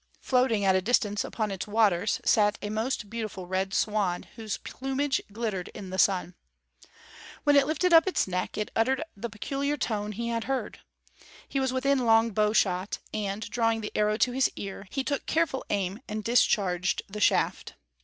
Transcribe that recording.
Floating at a distance upon its waters sat a most beautiful Red Swan, whose plumage glittered in the sun. When it lifted up its neck, it uttered the peculiar tone he had heard. He was within long bow shot, and, drawing the arrow to his ear, he took careful aim and discharged the shaft.